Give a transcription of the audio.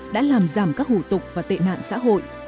đã làm giảm các hủ tục và tệ nạn xã hội